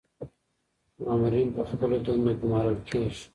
مامورین په خپلو دندو ګمارل کیږي.